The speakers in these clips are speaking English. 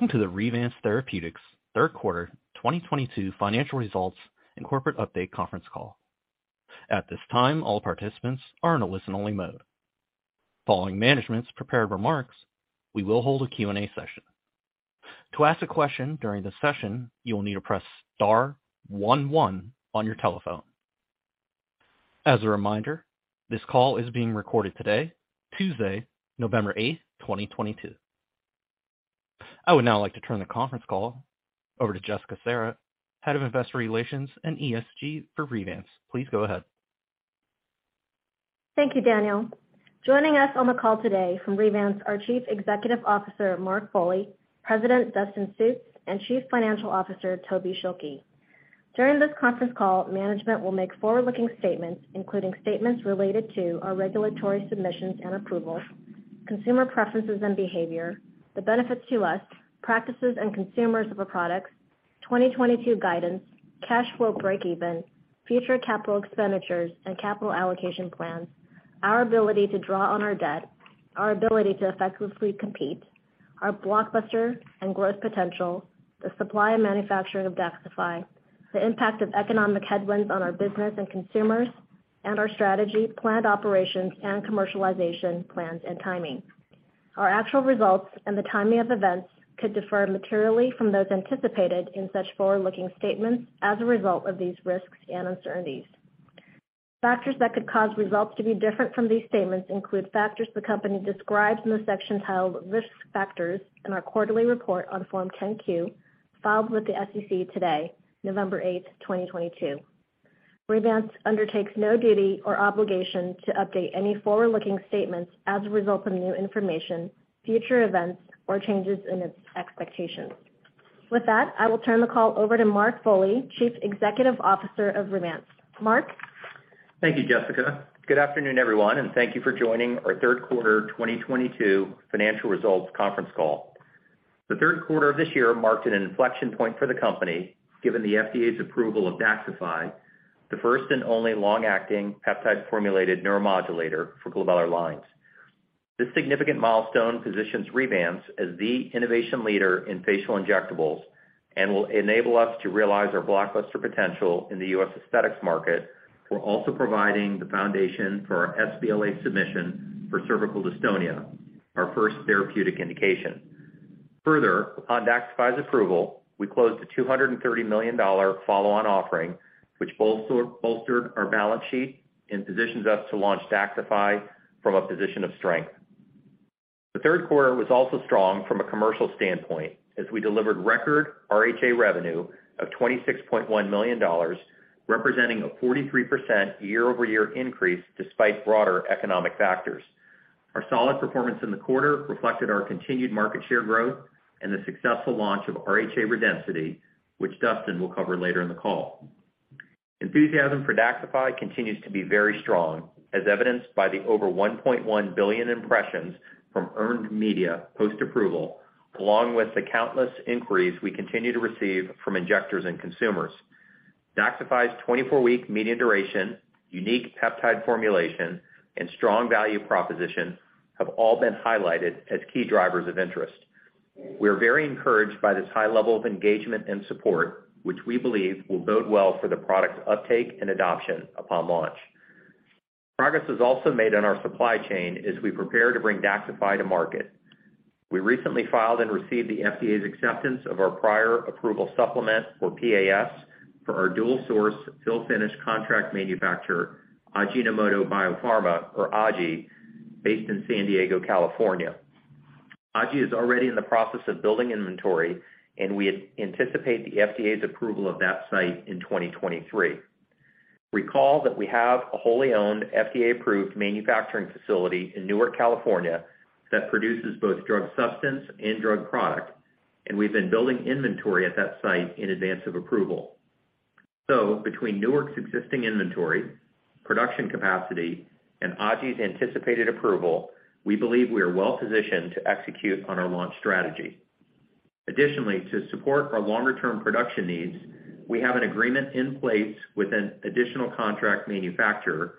Welcome to the Revance Therapeutics third quarter 2022 financial results and corporate update conference call. At this time, all participants are in a listen-only mode. Following management's prepared remarks, we will hold a Q&A session. To ask a question during the session, you will need to press star one one on your telephone. As a reminder, this call is being recorded today, Tuesday, November eighth, 2022. I would now like to turn the conference call over to Jessica Serra, Head of Investor Relations and ESG for Revance. Please go ahead. Thank you, Daniel. Joining us on the call today from Revance are Chief Executive Officer, Mark Foley, President, Dustin Sjuts, and Chief Financial Officer, Tobin Schilke. During this conference call, management will make forward-looking statements, including statements related to our regulatory submissions and approvals, consumer preferences and behavior, the benefits to us, practices and consumers of our products, 2022 guidance, cash flow breakeven, future capital expenditures and capital allocation plans, our ability to draw on our debt, our ability to effectively compete, our blockbuster and growth potential, the supply and manufacturing of Daxxify, the impact of economic headwinds on our business and consumers, and our strategy, planned operations and commercialization plans and timing. Our actual results and the timing of events could differ materially from those anticipated in such forward-looking statements as a result of these risks and uncertainties. Factors that could cause results to be different from these statements include factors the company describes in the section titled Risk Factors in our quarterly report on Form 10-Q filed with the SEC today, November eighth, 2022. Revance undertakes no duty or obligation to update any forward-looking statements as a result of new information, future events, or changes in its expectations. With that, I will turn the call over to Mark Foley, Chief Executive Officer of Revance. Mark? Thank you, Jessica. Good afternoon, everyone, and thank you for joining our third quarter 2022 financial results conference call. The third quarter of this year marked an inflection point for the company, given the FDA's approval of Daxxify, the first and only long-acting peptide-formulated neuromodulator for glabellar lines. This significant milestone positions Revance as the innovation leader in facial injectables and will enable us to realize our blockbuster potential in the U.S. aesthetics market. We're also providing the foundation for our sBLA submission for cervical dystonia, our first therapeutic indication. Further, upon Daxxify's approval, we closed a $230 million follow-on offering, which bolstered our balance sheet and positions us to launch Daxxify from a position of strength. The third quarter was also strong from a commercial standpoint, as we delivered record RHA revenue of $26.1 million, representing a 43% year-over-year increase despite broader economic factors. Our solid performance in the quarter reflected our continued market share growth and the successful launch of RHA Redensity, which Dustin will cover later in the call. Enthusiasm for Daxxify continues to be very strong, as evidenced by the over 1.1 billion impressions from earned media post-approval, along with the countless inquiries we continue to receive from injectors and consumers. Daxxify's 24-week median duration, unique peptide formulation, and strong value proposition have all been highlighted as key drivers of interest. We are very encouraged by this high level of engagement and support, which we believe will bode well for the product's uptake and adoption upon launch. Progress is also made on our supply chain as we prepare to bring Daxxify to market. We recently filed and received the FDA's acceptance of our prior approval supplement, or PAS, for our dual source fill/finish contract manufacturer, Ajinomoto Bio-Pharma, or Aji, based in San Diego, California. Aji is already in the process of building inventory, and we anticipate the FDA's approval of that site in 2023. Recall that we have a wholly owned FDA-approved manufacturing facility in Newark, California, that produces both drug substance and drug product, and we've been building inventory at that site in advance of approval. Between Newark's existing inventory, production capacity, and Aji's anticipated approval, we believe we are well-positioned to execute on our launch strategy. Additionally, to support our longer-term production needs, we have an agreement in place with an additional contract manufacturer,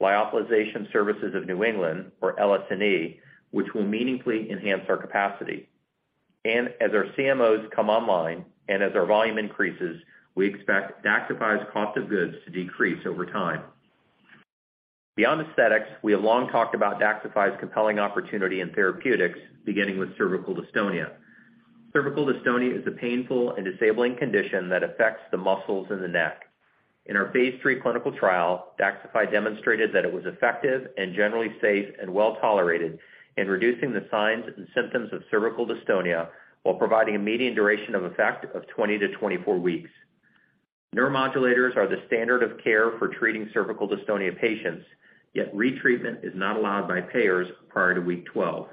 Lyophilization Services of New England, or LSNE, which will meaningfully enhance our capacity. As our CMOs come online and as our volume increases, we expect Daxxify's cost of goods to decrease over time. Beyond aesthetics, we have long talked about Daxxify's compelling opportunity in therapeutics, beginning with cervical dystonia. Cervical dystonia is a painful and disabling condition that affects the muscles in the neck. In our phase 3 clinical trial, Daxxify demonstrated that it was effective and generally safe and well-tolerated in reducing the signs and symptoms of cervical dystonia while providing a median duration of effect of 20-24 weeks. Neuromodulators are the standard of care for treating cervical dystonia patients, yet retreatment is not allowed by payers prior to week 12.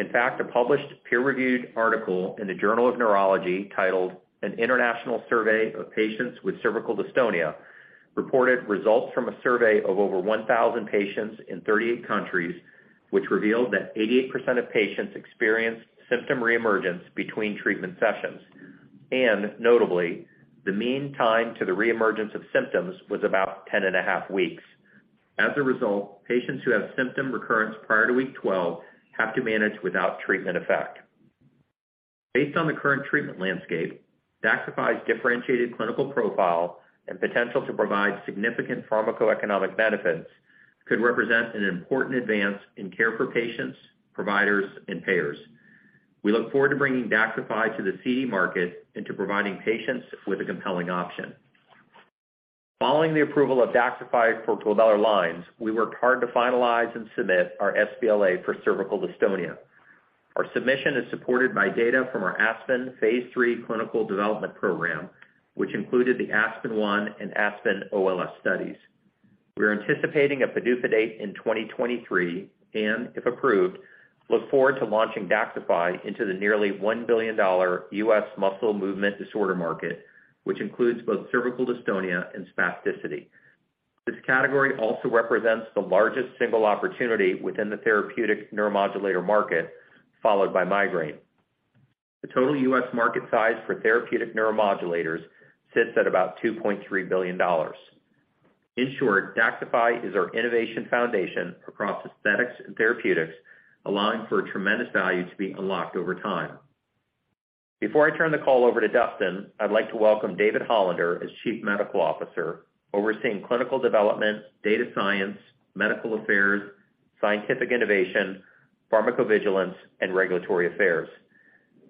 In fact, a published peer-reviewed article in the Journal of Neurology titled An International Survey of Patients with Cervical Dystonia reported results from a survey of over 1,000 patients in 38 countries, which revealed that 88% of patients experienced symptom reemergence between treatment sessions. Notably, the mean time to the reemergence of symptoms was about 10.5 weeks. As a result, patients who have symptom recurrence prior to week 12 have to manage without treatment effect. Based on the current treatment landscape, Daxxify's differentiated clinical profile and potential to provide significant pharmacoeconomic benefits could represent an important advance in care for patients, providers, and payers. We look forward to bringing Daxxify to the CD market and to providing patients with a compelling option. Following the approval of Daxxify for glabellar lines, we worked hard to finalize and submit our sBLA for cervical dystonia. Our submission is supported by data from our ASPEN-1 Phase 3 clinical development program, which included the ASPEN-1 and ASPEN-OLS studies. We are anticipating a PDUFA date in 2023 and if approved, look forward to launching Daxxify into the nearly $1 billion U.S. muscle movement disorder market, which includes both cervical dystonia and spasticity. This category also represents the largest single opportunity within the therapeutic neuromodulator market, followed by migraine. The total U.S. market size for therapeutic neuromodulators sits at about $2.3 billion. In short, Daxxify is our innovation foundation across aesthetics and therapeutics, allowing for a tremendous value to be unlocked over time. Before I turn the call over to Dustin, I'd like to welcome David Hollander as Chief Medical Officer, overseeing clinical development, data science, medical affairs, scientific innovation, pharmacovigilance, and regulatory affairs.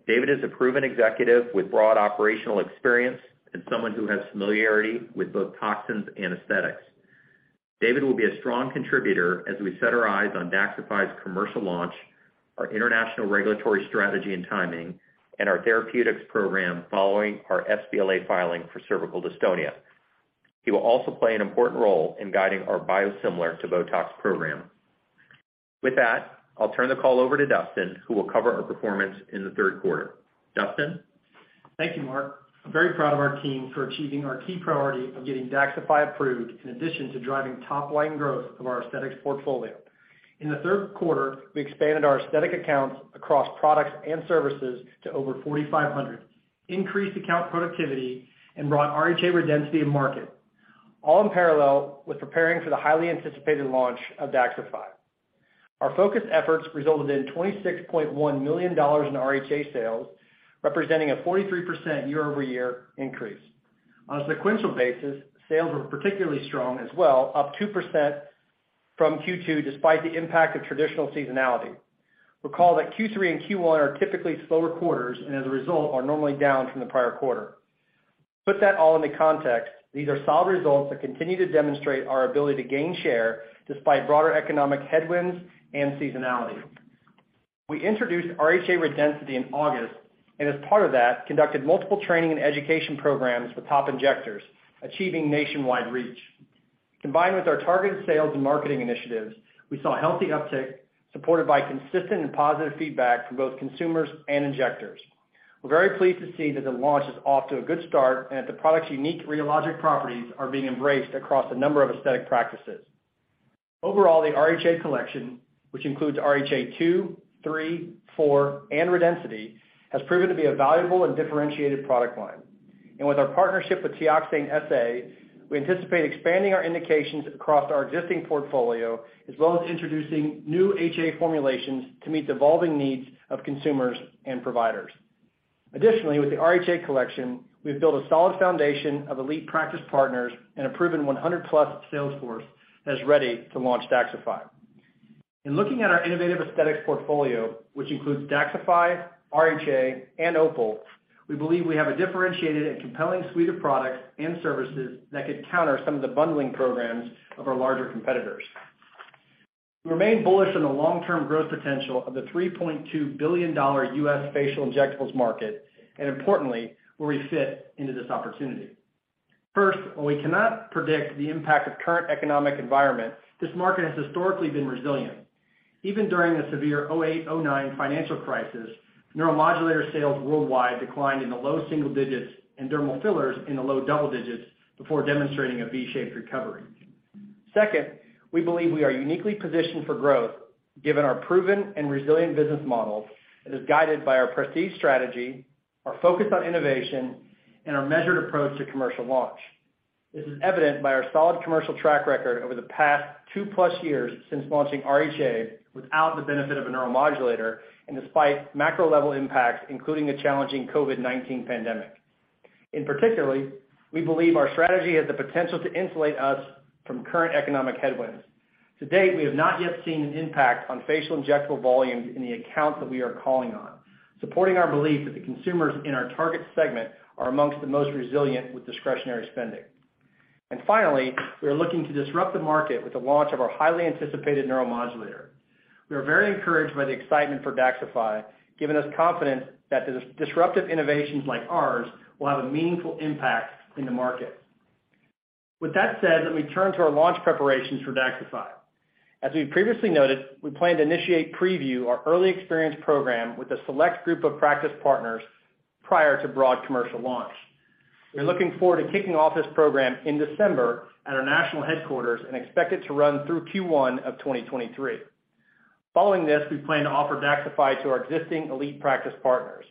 David is a proven executive with broad operational experience and someone who has familiarity with both toxins and aesthetics. David will be a strong contributor as we set our eyes on Daxxify's commercial launch, our international regulatory strategy and timing, and our therapeutics program following our sBLA filing for cervical dystonia. He will also play an important role in guiding our biosimilar to BOTOX program. With that, I'll turn the call over to Dustin, who will cover our performance in the third quarter. Dustin? Thank you, Mark. I'm very proud of our team for achieving our key priority of getting Daxxify approved in addition to driving top line growth of our aesthetics portfolio. In the third quarter, we expanded our aesthetic accounts across products and services to over 4,500, increased account productivity, and brought RHA Redensity to market, all in parallel with preparing for the highly anticipated launch of Daxxify. Our focused efforts resulted in $26.1 million in RHA sales, representing a 43% year-over-year increase. On a sequential basis, sales were particularly strong as well, up 2% from Q2, despite the impact of traditional seasonality. Recall that Q3 and Q1 are typically slower quarters and as a result, are normally down from the prior quarter. Put that all into context, these are solid results that continue to demonstrate our ability to gain share despite broader economic headwinds and seasonality. We introduced RHA Redensity in August, and as part of that, conducted multiple training and education programs with top injectors, achieving nationwide reach. Combined with our targeted sales and marketing initiatives, we saw a healthy uptick supported by consistent and positive feedback from both consumers and injectors. We're very pleased to see that the launch is off to a good start, and that the product's unique rheological properties are being embraced across a number of aesthetic practices. Overall, the RHA Collection, which includes RHA 2, 3, 4, and Redensity, has proven to be a valuable and differentiated product line. With our partnership with TEOXANE SA, we anticipate expanding our indications across our existing portfolio, as well as introducing new HA formulations to meet the evolving needs of consumers and providers. Additionally, with the RHA Collection, we've built a solid foundation of elite practice partners and a proven one hundred plus sales force that is ready to launch Daxxify. In looking at our innovative aesthetics portfolio, which includes Daxxify, RHA, and OPUL, we believe we have a differentiated and compelling suite of products and services that could counter some of the bundling programs of our larger competitors. We remain bullish on the long-term growth potential of the $3.2 billion US facial injectables market, and importantly, where we fit into this opportunity. First, while we cannot predict the impact of current economic environment, this market has historically been resilient. Even during the severe 2008, 2009 financial crisis, neuromodulator sales worldwide declined in the low single digits, and dermal fillers in the low double digits before demonstrating a V-shaped recovery. Second, we believe we are uniquely positioned for growth given our proven and resilient business model that is guided by our Prestige strategy, our focus on innovation, and our measured approach to commercial launch. This is evident by our solid commercial track record over the past two-plus years since launching RHA without the benefit of a neuromodulator and despite macro level impacts, including the challenging COVID-19 pandemic. In particular, we believe our strategy has the potential to insulate us from current economic headwinds. To date, we have not yet seen an impact on facial injectable volumes in the accounts that we are calling on, supporting our belief that the consumers in our target segment are amongst the most resilient with discretionary spending. Finally, we are looking to disrupt the market with the launch of our highly anticipated neuromodulator. We are very encouraged by the excitement for Daxxify, giving us confidence that disruptive innovations like ours will have a meaningful impact in the market. With that said, let me turn to our launch preparations for Daxxify. As we've previously noted, we plan to initiate preview our early experience program with a select group of practice partners prior to broad commercial launch. We're looking forward to kicking off this program in December at our national headquarters and expect it to run through Q1 of 2023. Following this, we plan to offer Daxxify to our existing elite practice partners.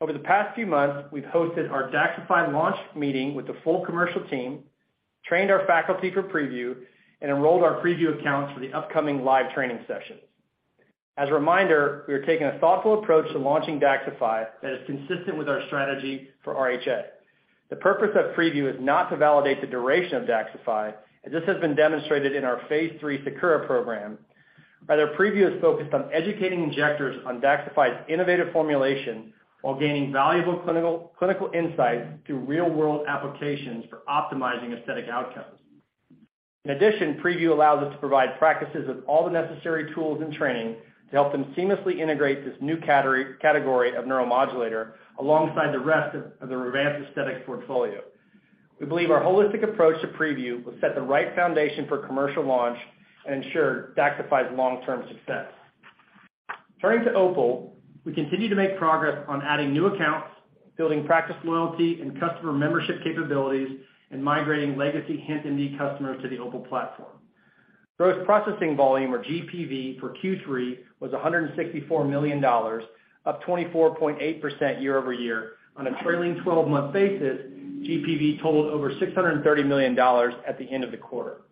Over the past few months, we've hosted our Daxxify launch meeting with the full commercial team, trained our faculty for preview, and enrolled our preview accounts for the upcoming live training sessions. As a reminder, we are taking a thoughtful approach to launching Daxxify that is consistent with our strategy for RHA. The purpose of preview is not to validate the duration of Daxxify, as this has been demonstrated in our phase 3 SAKURA program. Rather, preview is focused on educating injectors on Daxxify's innovative formulation while gaining valuable clinical insights through real-world applications for optimizing aesthetic outcomes. In addition, Preview allows us to provide practices with all the necessary tools and training to help them seamlessly integrate this new category of neuromodulator alongside the rest of the Revance aesthetic portfolio. We believe our holistic approach to Preview will set the right foundation for commercial launch and ensure Daxxify's long-term success. Turning to OPUL, we continue to make progress on adding new accounts, building practice loyalty and customer membership capabilities, and migrating legacy HintMD customers to the OPUL platform. Gross processing volume or GPV for Q3 was $164 million, up 24.8% year-over-year. On a trailing twelve-month basis, GPV totaled over $630 million at the end of the quarter.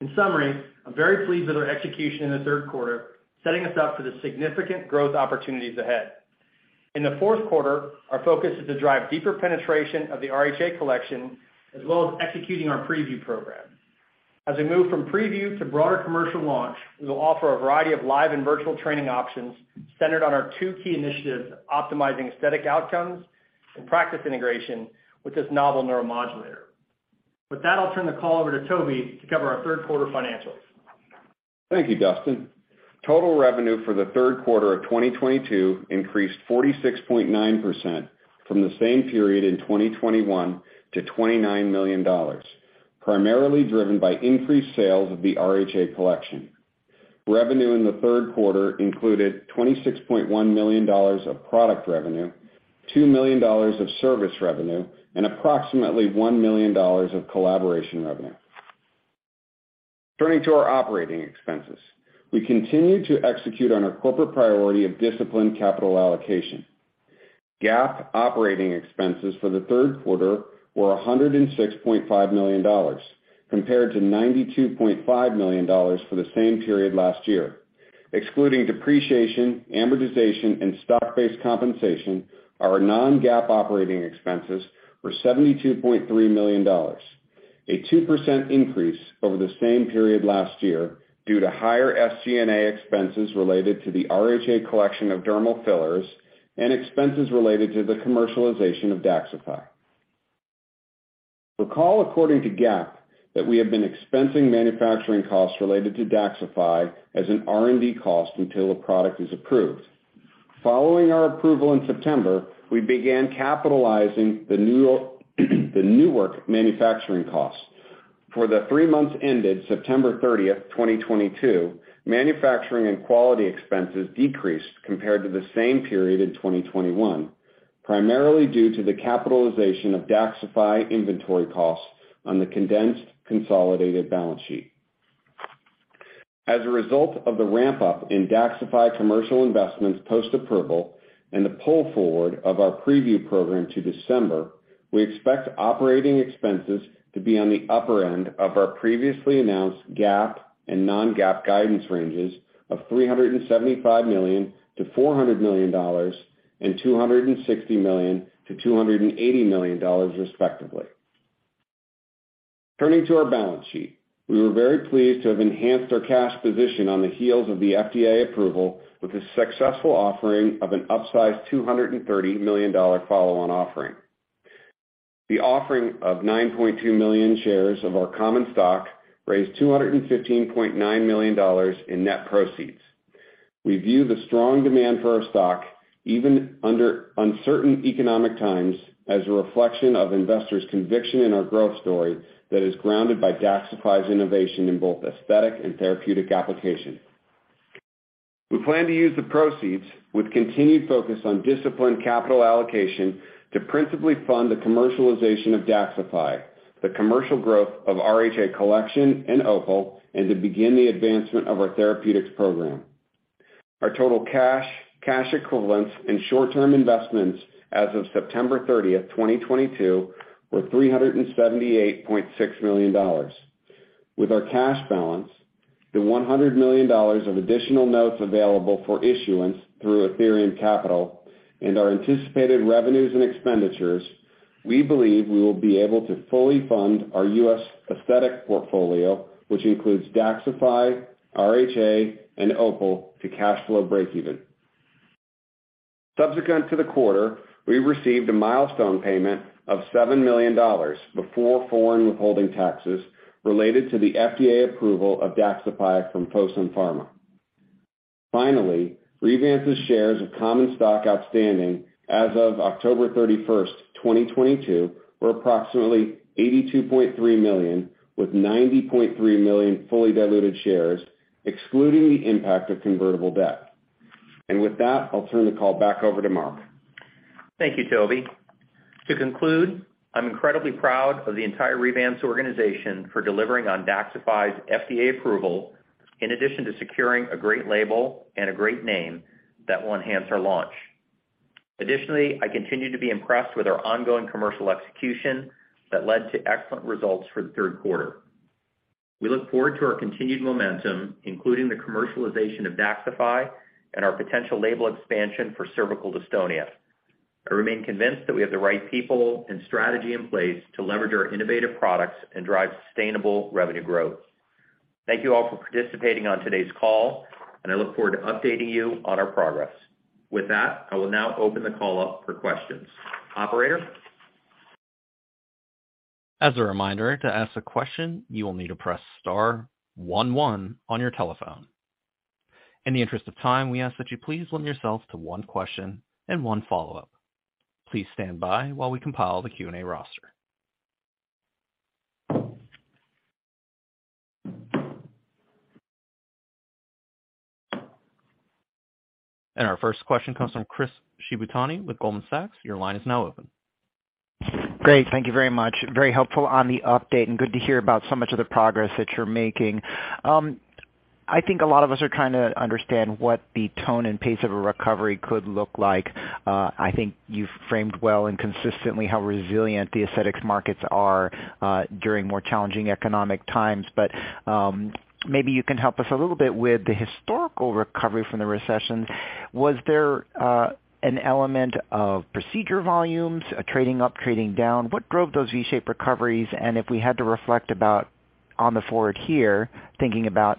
In summary, I'm very pleased with our execution in the third quarter, setting us up for the significant growth opportunities ahead. In the fourth quarter, our focus is to drive deeper penetration of the RHA Collection, as well as executing our preview program. As we move from preview to broader commercial launch, we will offer a variety of live and virtual training options centered on our two key initiatives, optimizing aesthetic outcomes and practice integration with this novel neuromodulator. With that, I'll turn the call over to Toby to cover our third quarter financials. Thank you, Dustin. Total revenue for the third quarter of 2022 increased 46.9% from the same period in 2021 to $29 million, primarily driven by increased sales of the RHA Collection. Revenue in the third quarter included $26.1 million of product revenue, $2 million of service revenue, and approximately $1 million of collaboration revenue. Turning to our operating expenses. We continue to execute on our corporate priority of disciplined capital allocation. GAAP operating expenses for the third quarter were $106.5 million compared to $92.5 million for the same period last year. Excluding depreciation, amortization, and stock-based compensation, our non-GAAP operating expenses were $72.3 million, a 2% increase over the same period last year due to higher SG&A expenses related to the RHA Collection of dermal fillers and expenses related to the commercialization of Daxxify. Recall according to GAAP that we have been expensing manufacturing costs related to Daxxify as an R&D cost until a product is approved. Following our approval in September, we began capitalizing the new manufacturing costs. For the three months ended September 30, 2022, manufacturing and quality expenses decreased compared to the same period in 2021, primarily due to the capitalization of Daxxify inventory costs on the condensed consolidated balance sheet. As a result of the ramp-up in Daxxify commercial investments post-approval and the pull forward of our preview program to December, we expect operating expenses to be on the upper end of our previously announced GAAP and non-GAAP guidance ranges of $375 million-$400 million and $260 million-$280 million, respectively. Turning to our balance sheet. We were very pleased to have enhanced our cash position on the heels of the FDA approval with the successful offering of an upsized $230 million follow-on offering. The offering of 9.2 million shares of our common stock raised $215.9 million in net proceeds. We view the strong demand for our stock, even under uncertain economic times, as a reflection of investors' conviction in our growth story that is grounded by Daxxify's innovation in both aesthetic and therapeutic application. We plan to use the proceeds with continued focus on disciplined capital allocation to principally fund the commercialization of Daxxify, the commercial growth of RHA Collection and OPUL, and to begin the advancement of our therapeutics program. Our total cash equivalents, and short-term investments as of September 30, 2022, were $378.6 million. With our cash balance, the $100 million of additional notes available for issuance through Athyrium Capital and our anticipated revenues and expenditures, we believe we will be able to fully fund our U.S. aesthetic portfolio, which includes Daxxify, RHA, and OPUL, to cash flow breakeven. Subsequent to the quarter, we received a milestone payment of $7 million before foreign withholding taxes related to the FDA approval of Daxxify from Fosun Pharma. Finally, Revance's shares of common stock outstanding as of October 31st, 2022, were approximately 82.3 million, with 90.3 million fully diluted shares, excluding the impact of convertible debt. With that, I'll turn the call back over to Mark. Thank you, Toby. To conclude, I'm incredibly proud of the entire Revance organization for delivering on Daxxify's FDA approval, in addition to securing a great label and a great name that will enhance our launch. Additionally, I continue to be impressed with our ongoing commercial execution that led to excellent results for the third quarter. We look forward to our continued momentum, including the commercialization of Daxxify and our potential label expansion for cervical dystonia. I remain convinced that we have the right people and strategy in place to leverage our innovative products and drive sustainable revenue growth. Thank you all for participating on today's call, and I look forward to updating you on our progress. With that, I will now open the call up for questions. Operator? As a reminder, to ask a question, you will need to press star one one on your telephone. In the interest of time, we ask that you please limit yourself to one question and one follow-up. Please stand by while we compile the Q&A roster. Our first question comes from Chris Shibutani with Goldman Sachs. Your line is now open. Great. Thank you very much. Very helpful on the update and good to hear about so much of the progress that you're making. I think a lot of us are trying to understand what the tone and pace of a recovery could look like. I think you've framed well and consistently how resilient the aesthetics markets are during more challenging economic times. But maybe you can help us a little bit with the historical recovery from the recessions. Was there an element of procedure volumes trading up, trading down? What drove those V-shaped recoveries? If we had to reflect about on the forward here, thinking about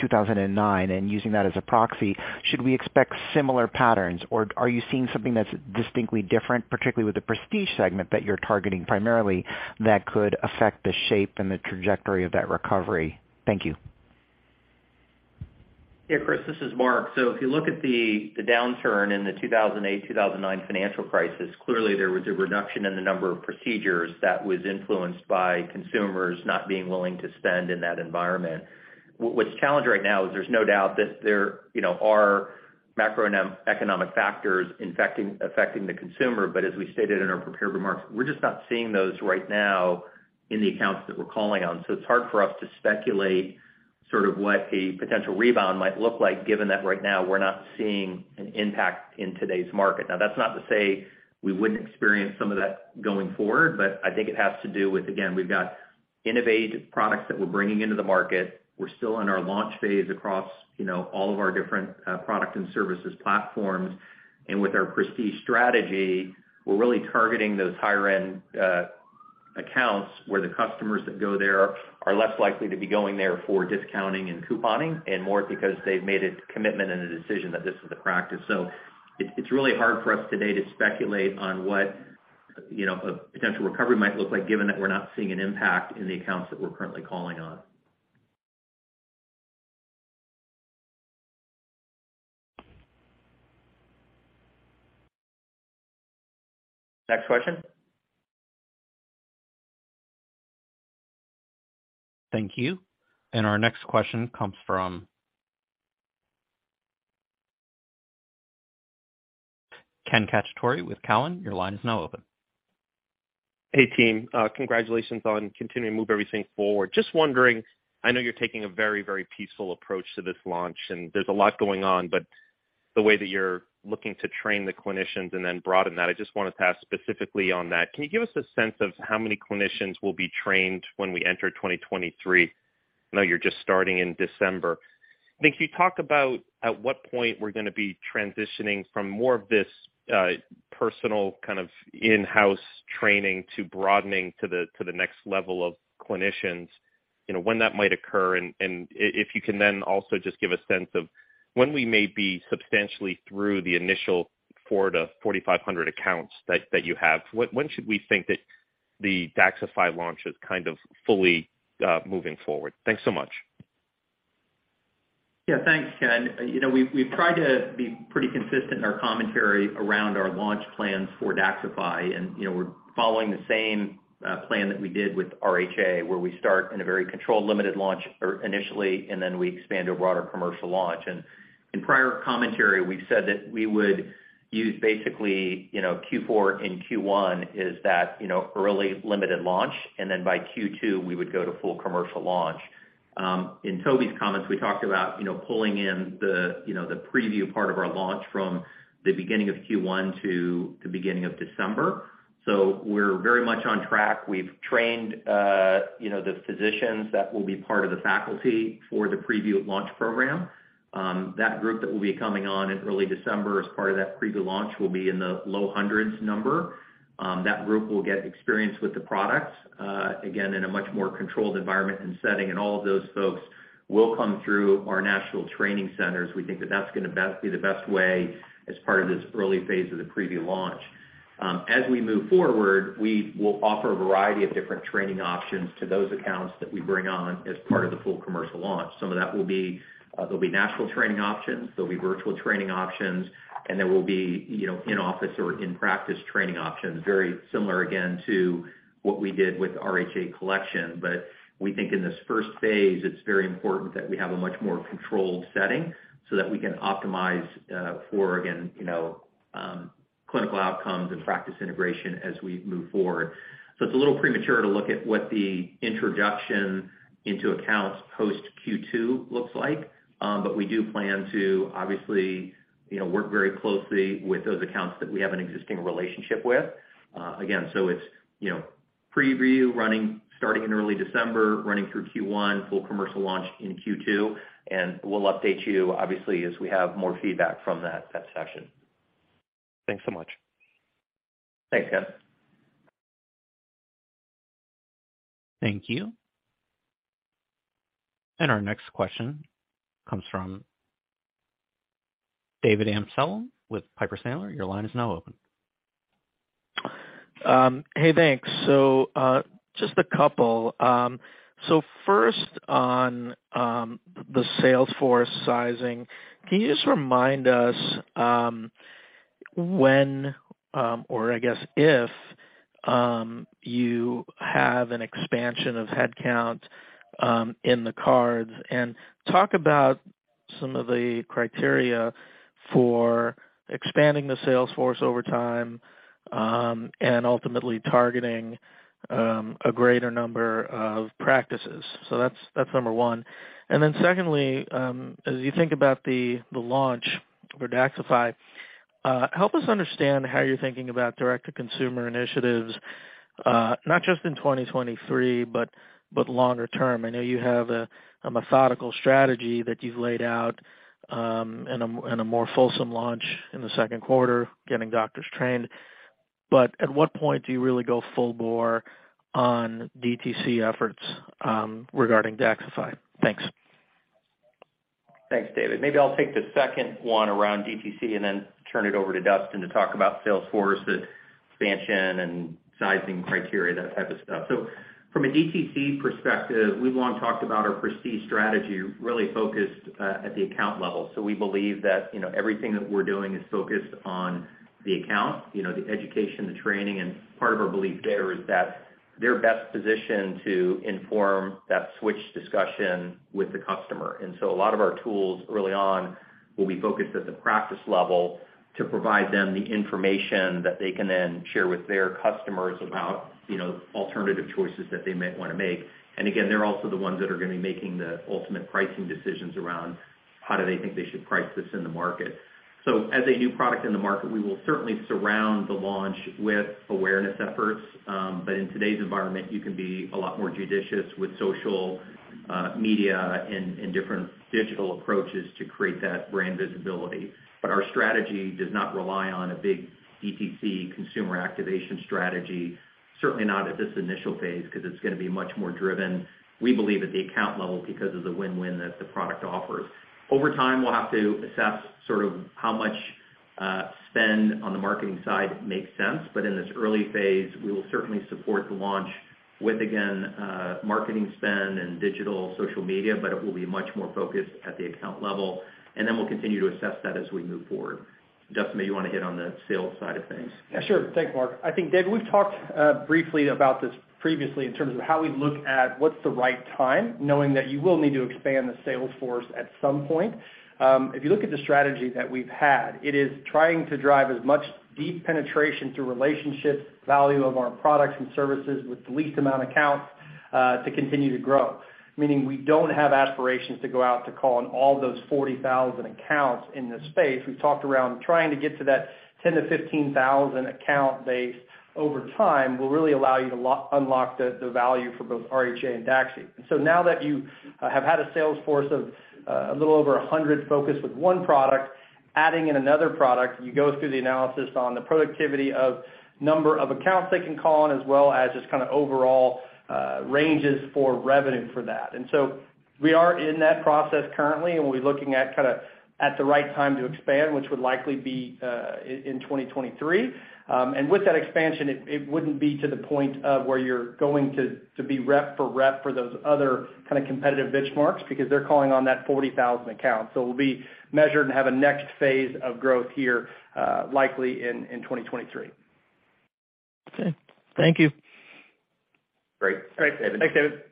2009 and using that as a proxy, should we expect similar patterns? are you seeing something that's distinctly different, particularly with the prestige segment that you're targeting primarily, that could affect the shape and the trajectory of that recovery? Thank you. Yeah, Chris, this is Mark. If you look at the downturn in the 2008-2009 financial crisis, clearly there was a reduction in the number of procedures that was influenced by consumers not being willing to spend in that environment. What's challenged right now is there's no doubt that there, you know, are macroeconomic factors affecting the consumer. As we stated in our prepared remarks, we're just not seeing those right now in the accounts that we're calling on. It's hard for us to speculate sort of what a potential rebound might look like given that right now we're not seeing an impact in today's market. Now, that's not to say we wouldn't experience some of that going forward, but I think it has to do with, again, we've got innovative products that we're bringing into the market. We're still in our launch phase across, you know, all of our different product and services platforms. With our prestige strategy, we're really targeting those higher-end accounts where the customers that go there are less likely to be going there for discounting and couponing and more because they've made a commitment and a decision that this is a practice. It's really hard for us today to speculate on what, you know, a potential recovery might look like, given that we're not seeing an impact in the accounts that we're currently calling on. Next question. Thank you. Our next question comes from Kenneth Cacciatore with Cowen. Your line is now open. Hey, team. Congratulations on continuing to move everything forward. Just wondering, I know you're taking a very, very phased approach to this launch, and there's a lot going on, but the way that you're looking to train the clinicians and then broaden that, I just wanna ask specifically on that. Can you give us a sense of how many clinicians will be trained when we enter 2023? I know you're just starting in December. I think you talked about at what point we're gonna be transitioning from more of this personal kind of in-house training to broadening to the next level of clinicians, you know, when that might occur. If you can then also just give a sense of when we may be substantially through the initial 4,000-4,500 accounts that you have. When should we think that the Daxxify launch is kind of fully moving forward? Thanks so much. Yeah. Thanks, Ken. You know, we've tried to be pretty consistent in our commentary around our launch plans for Daxxify. You know, we're following the same plan that we did with RHA, where we start in a very controlled, limited launch or initially, and then we expand to a broader commercial launch. In prior commentary, we've said that we would use basically, you know, Q4 and Q1 is that, you know, early limited launch, and then by Q2, we would go to full commercial launch. In Toby's comments, we talked about, you know, pulling in the, you know, the preview part of our launch from the beginning of Q1 to the beginning of December. We're very much on track. We've trained, you know, the physicians that will be part of the faculty for the preview launch program. That group that will be coming on in early December as part of that preview launch will be in the low 100s. That group will get experience with the products, again, in a much more controlled environment and setting, and all of those folks will come through our national training centers. We think that that's gonna be the best way as part of this early phase of the preview launch. As we move forward, we will offer a variety of different training options to those accounts that we bring on as part of the full commercial launch. Some of that will be, there'll be national training options, there'll be virtual training options, and there will be, you know, in-office or in-practice training options, very similar, again, to what we did with RHA Collection. We think in this first phase, it's very important that we have a much more controlled setting so that we can optimize for again you know clinical outcomes and practice integration as we move forward. It's a little premature to look at what the introduction into accounts post Q2 looks like. We do plan to obviously you know work very closely with those accounts that we have an existing relationship with. It's you know preview running starting in early December, running through Q1, full commercial launch in Q2, and we'll update you obviously as we have more feedback from that session. Thanks so much. Thanks, Ken. Thank you. Our next question comes from David Amsellem with Piper Sandler. Your line is now open. Hey, thanks. Just a couple. First on the sales force sizing, can you just remind us when or I guess if you have an expansion of headcount in the cards? Talk about some of the criteria for expanding the sales force over time and ultimately targeting a greater number of practices. That's number one. Secondly, as you think about the launch for Daxxify, help us understand how you're thinking about direct-to-consumer initiatives not just in 2023, but longer term. I know you have a methodical strategy that you've laid out and a more fulsome launch in the second quarter, getting doctors trained. At what point do you really go full bore on DTC efforts regarding Daxxify? Thanks. Thanks, David. Maybe I'll take the second one around DTC and then turn it over to Dustin to talk about sales force expansion and sizing criteria, that type of stuff. From a DTC perspective, we've long talked about our Prestige strategy really focused at the account level. We believe that, you know, everything that we're doing is focused on the account, you know, the education, the training. Part of our belief there is that they're best positioned to inform that switch discussion with the customer. A lot of our tools early on will be focused at the practice level to provide them the information that they can then share with their customers about, you know, alternative choices that they might wanna make. Again, they're also the ones that are gonna be making the ultimate pricing decisions around how do they think they should price this in the market. As a new product in the market, we will certainly surround the launch with awareness efforts. In today's environment, you can be a lot more judicious with social media and different digital approaches to create that brand visibility. Our strategy does not rely on a big DTC consumer activation strategy, certainly not at this initial phase, 'cause it's gonna be much more driven, we believe, at the account level because of the win-win that the product offers. Over time, we'll have to assess sort of how much, spend on the marketing side makes sense, but in this early phase, we will certainly support the launch with, again, marketing spend and digital social media, but it will be much more focused at the account level. Then we'll continue to assess that as we move forward. Dustin, maybe you wanna hit on the sales side of things. Yeah, sure. Thanks, Mark. I think, David, we've talked briefly about this previously in terms of how we look at what's the right time, knowing that you will need to expand the sales force at some point. If you look at the strategy that we've had, it is trying to drive as much deep penetration through relationships, value of our products and services with the least amount of accounts to continue to grow. Meaning we don't have aspirations to go out to call on all those 40,000 accounts in this space. We've talked around trying to get to that 10,000-15,000 account base over time, will really allow you to unlock the value for both RHA and DAXI. Now that you have had a sales force of a little over 100 focused with one product, adding in another product, you go through the analysis on the productivity of number of accounts they can call on, as well as just kinda overall ranges for revenue for that. We are in that process currently, and we'll be looking at kinda at the right time to expand, which would likely be in 2023. With that expansion, it wouldn't be to the point of where you're going to be rep for rep for those other kinda competitive benchmarks because they're calling on that 40,000 accounts. We'll be measured and have a next phase of growth here, likely in 2023. Okay. Thank you. Great. Thanks, David. Thanks, David.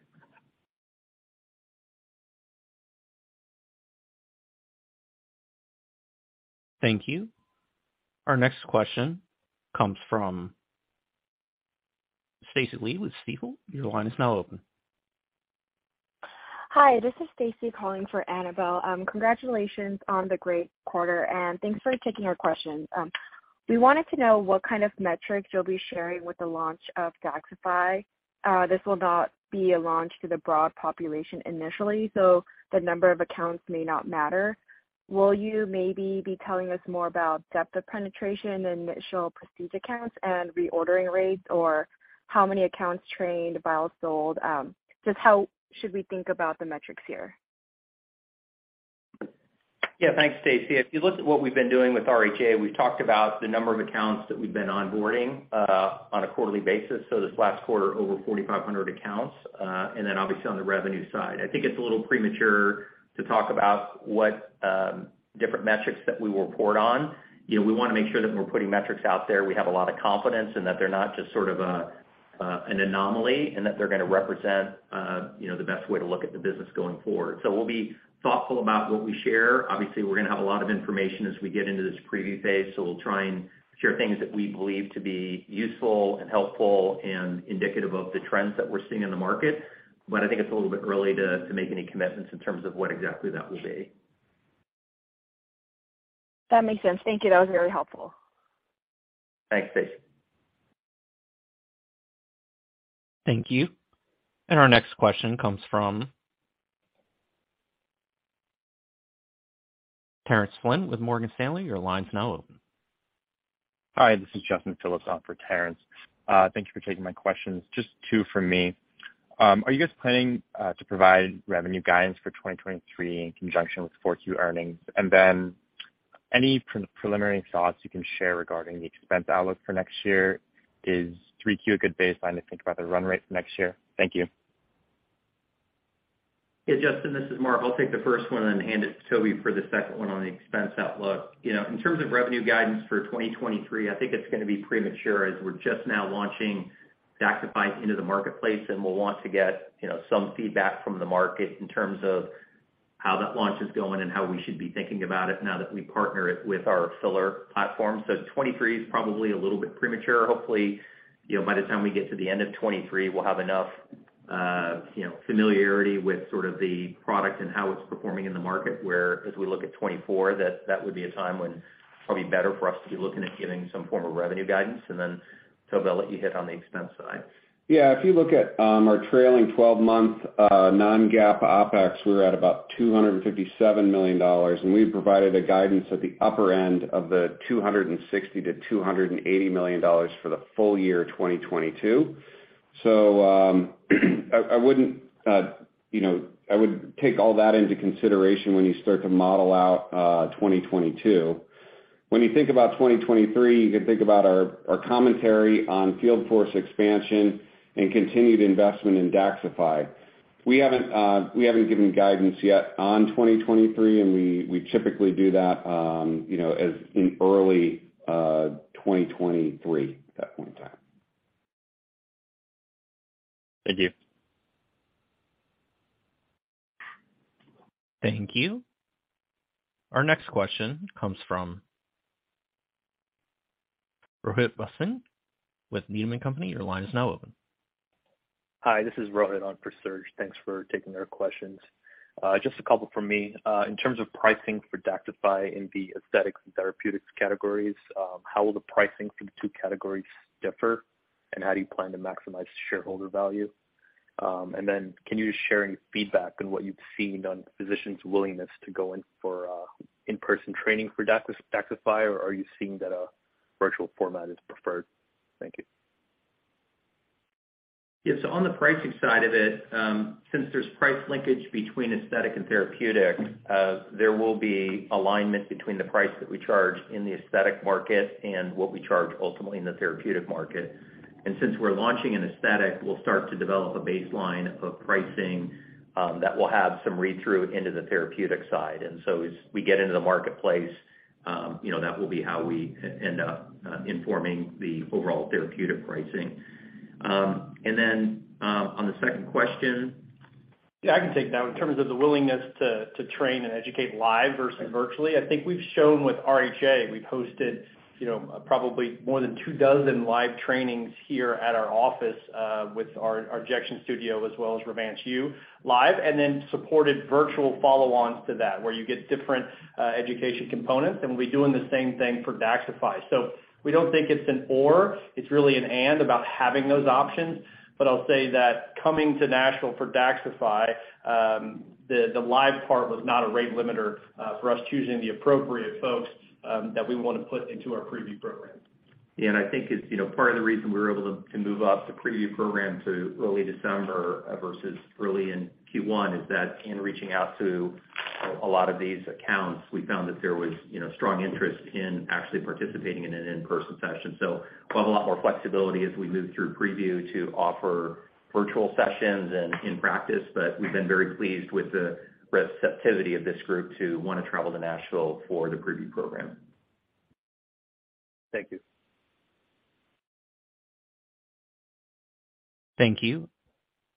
Thank you. Our next question comes from Stacy Lee with Stifel. Your line is now open. Hi, this is Stacy calling for Annabel Samimy. Congratulations on the great quarter, and thanks for taking our questions. We wanted to know what kind of metrics you'll be sharing with the launch of Daxxify. This will not be a launch to the broad population initially, so the number of accounts may not matter. Will you maybe be telling us more about depth of penetration, initial Prestige accounts, and reordering rates, or how many accounts trained, vials sold? Just how should we think about the metrics here? Yeah. Thanks, Stacy. If you look at what we've been doing with RHA, we've talked about the number of accounts that we've been onboarding on a quarterly basis, so this last quarter, over 4,500 accounts, and then obviously on the revenue side. I think it's a little premature to talk about what different metrics that we will report on. You know, we wanna make sure that when we're putting metrics out there, we have a lot of confidence and that they're not just sort of an anomaly and that they're gonna represent, you know, the best way to look at the business going forward. We'll be thoughtful about what we share. Obviously, we're gonna have a lot of information as we get into this preview phase, so we'll try and share things that we believe to be useful and helpful and indicative of the trends that we're seeing in the market. I think it's a little bit early to make any commitments in terms of what exactly that will be. That makes sense. Thank you. That was very helpful. Thanks, Stacy. Thank you. Our next question comes from Terence Flynn with Morgan Stanley. Your line's now open. Hi, this is Justin Phillips on for Terence. Thank you for taking my questions. Just two from me. Are you guys planning to provide revenue guidance for 2023 in conjunction with Q4 earnings? And then any preliminary thoughts you can share regarding the expense outlook for next year, is Q3 a good baseline to think about the run rate for next year? Thank you. Hey, Justin, this is Mark. I'll take the first one and then hand it to Toby for the second one on the expense outlook. You know, in terms of revenue guidance for 2023, I think it's gonna be premature as we're just now launching Daxxify into the marketplace, and we'll want to get, you know, some feedback from the market in terms of how that launch is going and how we should be thinking about it now that we partner it with our filler platform. 2023 is probably a little bit premature. Hopefully, you know, by the time we get to the end of 2023, we'll have enough, you know, familiarity with sort of the product and how it's performing in the market, whereas as we look at 2024, that would be a time when probably better for us to be looking at giving some form of revenue guidance. Then, Toby, I'll let you hit on the expense side. Yeah. If you look at our trailing twelve-month non-GAAP OpEx, we were at about $257 million, and we've provided a guidance at the upper end of the $260 million-$280 million for the full year 2022. I wouldn't, you know, I would take all that into consideration when you start to model out 2022. When you think about 2023, you can think about our commentary on field force expansion and continued investment in Daxxify. We haven't given guidance yet on 2023, and we typically do that, you know, as in early 2023, at that point in time. Thank you. Thank you. Our next question comes from Rohit Bhasin with Needham & Company. Your line is now open. Hi, this is Rohit on for Serge. Thanks for taking our questions. Just a couple from me. In terms of pricing for Daxxify in the aesthetics and therapeutics categories, how will the pricing for the two categories differ, and how do you plan to maximize shareholder value? Can you just share any feedback on what you've seen on physicians' willingness to go in for in-person training for Daxxify, or are you seeing that a virtual format is preferred? Thank you. Yeah. On the pricing side of it, since there's price linkage between aesthetic and therapeutic, there will be alignment between the price that we charge in the aesthetic market and what we charge ultimately in the therapeutic market. Since we're launching in aesthetic, we'll start to develop a baseline of pricing, that will have some read-through into the therapeutic side. As we get into the marketplace, you know, that will be how we end up informing the overall therapeutic pricing. On the second question. Yeah, I can take that. In terms of the willingness to train and educate live versus virtually, I think we've shown with RHA, we've hosted, you know, probably more than two dozen live trainings here at our office, with our injection studio as well as Revance U live, and then supported virtual follow-ons to that, where you get different education components, and we're doing the same thing for Daxxify. We don't think it's an or, it's really an and about having those options. I'll say that coming to Nashville for Daxxify, the live part was not a rate limiter for us choosing the appropriate folks that we wanna put into our preview program. Yeah, I think it's, you know, part of the reason we were able to to move up the preview program to early December versus early in Q1, is that in reaching out to a lot of these accounts, we found that there was, you know, strong interest in actually participating in an in-person session. We'll have a lot more flexibility as we move through preview to offer virtual sessions and in practice, but we've been very pleased with the receptivity of this group to wanna travel to Nashville for the preview program. Thank you. Thank you.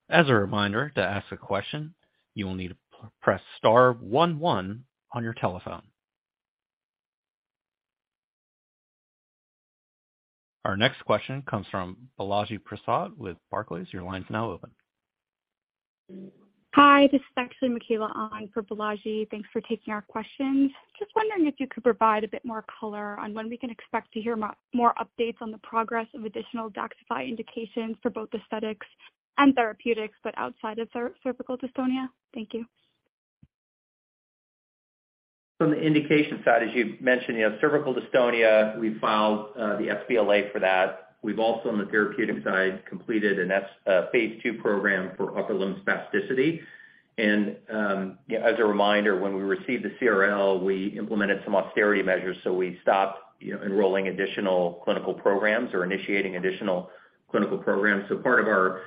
As a reminder, to ask a question, you will need to press star one one on your telephone. Our next question comes from Balaji Prasad with Barclays. Your line's now open. Hi, this is actually Mikaela on for Balaji Prasad. Thanks for taking our questions. Just wondering if you could provide a bit more color on when we can expect to hear more updates on the progress of additional Daxxify indications for both aesthetics and therapeutics, but outside of cervical dystonia? Thank you. From the indication side, as you mentioned, you have cervical dystonia. We filed the sBLA for that. We've also, on the therapeutic side, completed a phase 2 program for upper limb spasticity. As a reminder, when we received the CRL, we implemented some austerity measures, so we stopped, you know, enrolling additional clinical programs or initiating additional clinical programs. Part of our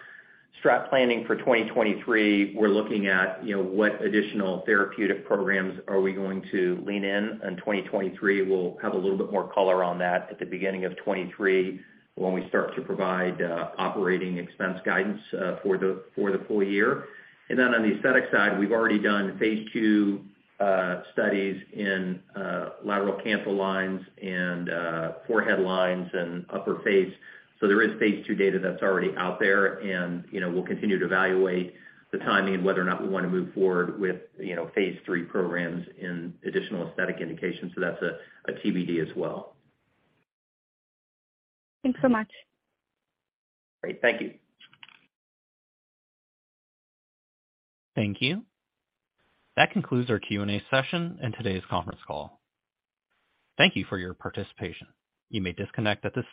strategic planning for 2023, we're looking at, you know, what additional therapeutic programs are we going to lean in in 2023. We'll have a little bit more color on that at the beginning of 2023 when we start to provide operating expense guidance for the full year. Then on the aesthetic side, we've already done phase 2 studies in lateral canthal lines and forehead lines and upper face. There is phase 2 data that's already out there. You know, we'll continue to evaluate the timing and whether or not we wanna move forward with, you know, phase 3 programs in additional aesthetic indications. That's a TBD as well. Thanks so much. Great. Thank you. Thank you. That concludes our Q&A session and today's conference call. Thank you for your participation. You may disconnect at this time.